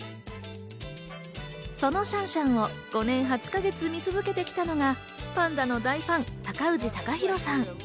そのシャンシャンを５年８か月、見続けてきたのがパンダの大ファン・高氏貴博さん。